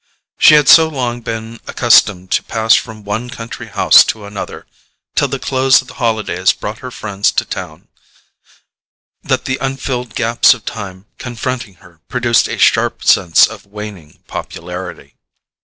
She had so long been accustomed to pass from one country house to another, till the close of the holidays brought her friends to town, that the unfilled gaps of time confronting her produced a sharp sense of waning popularity.